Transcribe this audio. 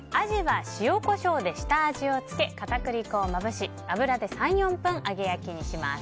アジは塩、コショウで下味を付け片栗粉をまぶし油で３４分揚げ焼きにします。